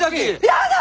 やだ！